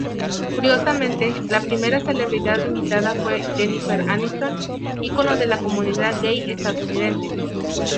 Curiosamente, la primera celebridad invitada fue Jennifer Aniston, icono de la comunidad gay estadounidense.